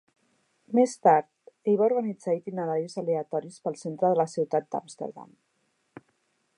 Més tard, ell va organitzar itineraris aleatoris pel centre de la ciutat d"Amsterdam.